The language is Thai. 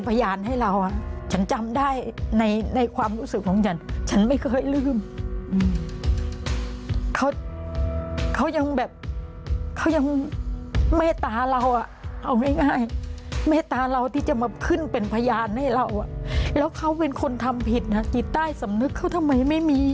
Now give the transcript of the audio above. พยานให้เราอ่ะฉันจำได้ในในความรู้สึกของฉันฉันไม่เคยลืมเขาเขายังแบบเขายังเมตตาเราอ่ะเอาง่ายเมตตาเราที่จะมาขึ้นเป็นพยานให้เราอ่ะแล้วเขาเป็นคนทำผิดนะจิตใต้สำนึกเขาทำไมไม่มี